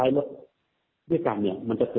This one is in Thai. ไม่ได้แหล่นลอยนะครับ